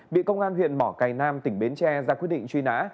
bị công an huyện mỏ cầy nam tỉnh bến tre ra quyết định truy nã